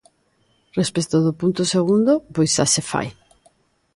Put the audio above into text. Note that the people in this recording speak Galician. Respecto do punto segundo, pois xa se fai.